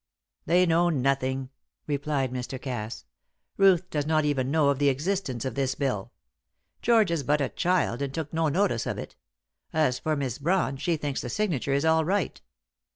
"They know nothing," replied Mr. Cass. "Ruth does not even know of the existence of this bill. George is but a child, and took no notice of it. As for Miss Brawn, she thinks the signature is all right.